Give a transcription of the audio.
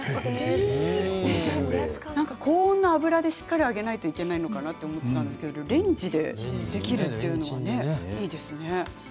高温の油でしっかりと揚げないといけないかと思っていたんですがレンジでできるんですね、いいですね。